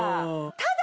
ただ。